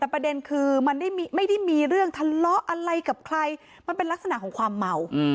แต่ประเด็นคือมันไม่ได้มีเรื่องทะเลาะอะไรกับใครมันเป็นลักษณะของความเมา